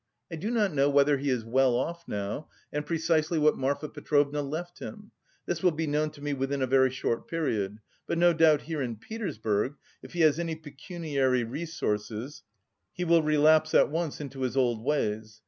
I do not know whether he is well off now, and precisely what Marfa Petrovna left him; this will be known to me within a very short period; but no doubt here in Petersburg, if he has any pecuniary resources, he will relapse at once into his old ways.